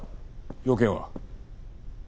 用件は？